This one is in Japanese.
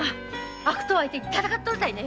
悪党相手に戦っとるたいね。